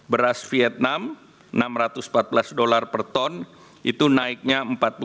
beras vietnam enam ratus empat belas dolar per ton itu naiknya empat puluh lima